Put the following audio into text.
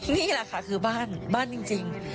นี่แหละค่ะคือบ้านบ้านจริง